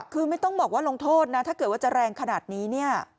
คือไม่ต้องบอกว่าลงโทษนะถ้าเกิดว่าจะแรงขนาดนี้เนี่ย